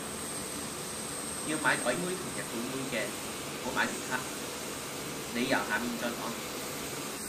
要買鬼妹同日本妹嘅，唔好買其他，理由下面再講。